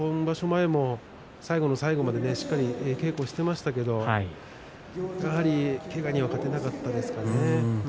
前も最後の最後までしっかり稽古をしていましたけどやはり、けがには勝てなかったですかね。